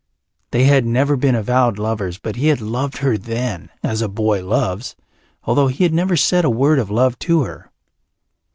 They had never been avowed lovers, but he had loved her then, as a boy loves, although he had never said a word of love to her.